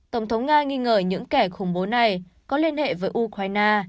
tổng thống nga nghi ngờ những kẻ khủng bố này có liên hệ với ukraine